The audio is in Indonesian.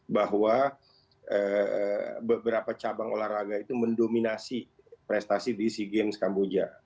bahwa beberapa cabang olahraga itu mendominasi prestasi di sea games kamboja